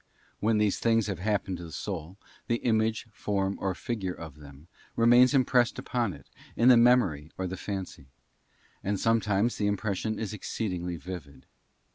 When these things have happened to the soul, the image, form, or figure of them remains impressed upon it, in the memory or the fancy; and sometimes that im pression is exceedingly vivid.